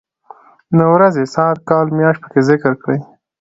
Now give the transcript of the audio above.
نو ورځې ،ساعت، کال ،مياشت پکې ذکر کړي.